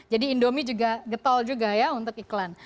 jadi indomie juga getol juga ya untuk iklan